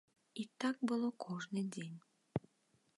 І так было кожны дзень.